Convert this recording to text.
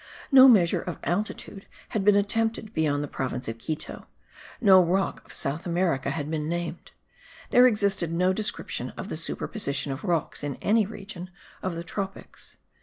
No measure of altitude had been attempted beyond the province of Quito; no rock of South America had been named; there existed no description of the superposition of rocks in any region of the tropics.